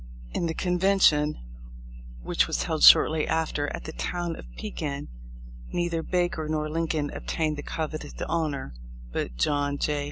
:|: In the convention which was held shortly after at the town of Pekin neither Baker nor Lincoln obtained the coveted honor ; but John J.